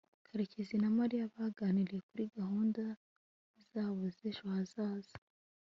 karekezi na mariya baganiriye kuri gahunda zabo z'ejo hazaza